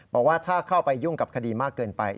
บอกว่าถ้าเข้าไปยุ่งกับคดีมากเกินไป